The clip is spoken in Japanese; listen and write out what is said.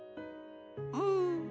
うん。